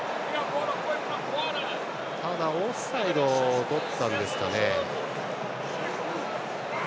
ただ、オフサイドをとったんですかね。